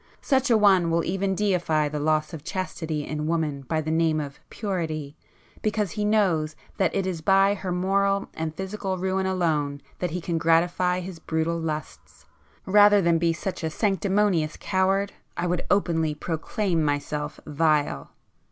Such an one will even deify the loss of chastity in woman by the name of 'purity,'—because he knows that it is by her moral and physical ruin alone that he can gratify his brutal lusts. Rather than be such a sanctimonious coward I would openly proclaim myself vile!"